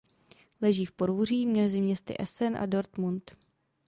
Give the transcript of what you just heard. Leží v Porúří mezi městy Essen a Dortmund.